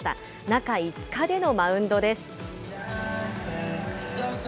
中５日でのマウンドです。